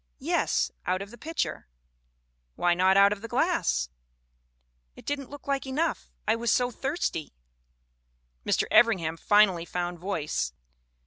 " 'Yes, out of the pitcher/ " 'Why not out of the glass?' " 'It didn't look enough. I was so thirsty/ "Mr. Evringham finally found voice.